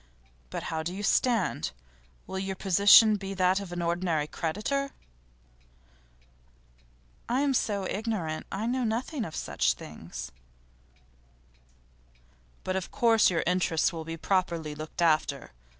But how do you stand? Will your position be that of an ordinary creditor?' 'I am so ignorant. I know nothing of such things.' 'But of course your interests will be properly looked after.